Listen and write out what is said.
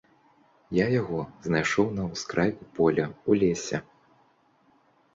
Я яго знайшоў на ўскрайку поля, у лесе.